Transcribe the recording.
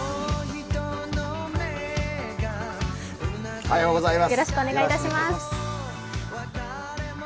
おはようございます。